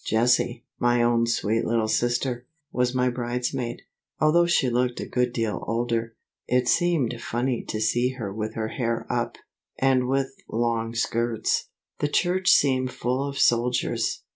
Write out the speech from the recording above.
Jessie, my own sweet little sister, was my bridesmaid, although she looked a good deal older. It seemed funny to see her with her hair up, and with long skirts. The church seemed full of soldiers.